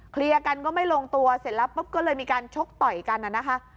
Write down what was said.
เคลียร์กันก็ไม่ลงตัวเสร็จแล้วปุ๊บก็เลยมีการชกต่อยกันน่ะนะคะ